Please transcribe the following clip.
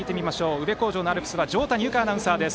宇部鴻城のアルプスは条谷有香アナウンサーです。